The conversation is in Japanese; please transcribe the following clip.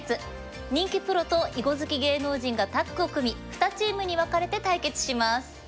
人気プロと囲碁好き芸能人がタッグを組み２チームに分かれて対決します。